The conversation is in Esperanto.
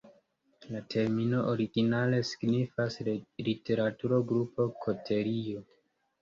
La termino originale signifas "literatura grupo","koterio".